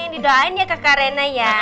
didoain ya kakak reina ya